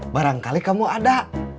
barangkali kamu ada